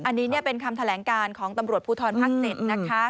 อันนี้เป็นคำแถลงการของตำรวจภูทรภาค๗นะคะ